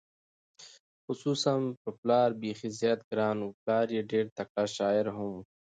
خصوصا په پلار بېخي زیات ګران و، پلار یې ډېر تکړه شاعر هم و،